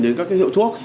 đến các hiệu thuốc